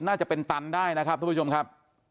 น่าจะเป็นตันได้นะครับทุกผู้ชมครับ